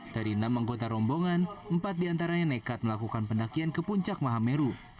dari enam anggota rombongan empat diantaranya nekat melakukan pendakian ke puncak mahameru